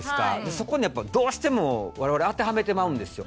そこにやっぱどうしても我々当てはめてまうんですよ。